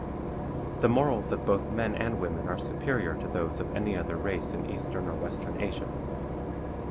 The morals of both men and women are superior to those of any other race in eastern or western Asia.